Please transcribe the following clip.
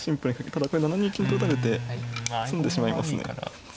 ただこれ７二金と打たれて詰んでしまいますね。